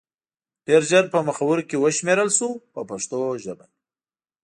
ډېر ژر په مخورو کې وشمېرل شو په پښتو ژبه.